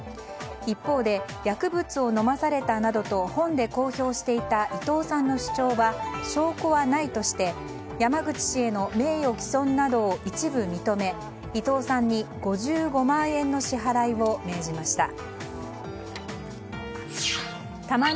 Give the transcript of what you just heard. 一方で、薬物を飲まされたなどと本で公表していた伊藤さんの主張は証拠はないとして山口氏への名誉毀損などを一部認め伊藤さんに５５万円の支払いを命じました。